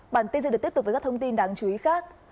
bản tin sẽ được tiếp tục với các thông tin đáng chú ý khác